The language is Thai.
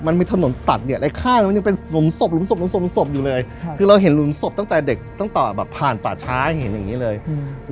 มันมีถนนตัดเนี่ยไอ้ข้างมันยังเป็นหลุมศพหลุมศพหลุทรงศพอยู่เลยค่ะคือเราเห็นหลุมศพตั้งแต่เด็กตั้งแต่แบบผ่านป่าช้าให้เห็นอย่างงี้เลยอืม